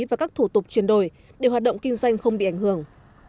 và các thủ tục chuyển đổi để hoạt động kinh doanh không bị ảnh hưởng